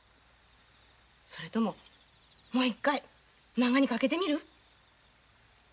それとももう一回まんがにかけてみる？